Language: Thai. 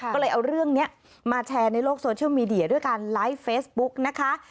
ก็เลยเอาเรื่องนี้มาแชร์ในโลกโซเชียลมีเดียด้วยการไลฟ์เฟซบุ๊กนะคะ